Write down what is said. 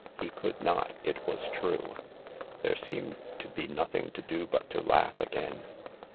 He could not, it was true. There seemed to be nothing tod ° Jut to laugh again.